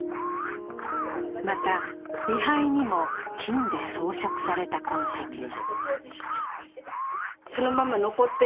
また、位牌にも金で装飾された痕跡が。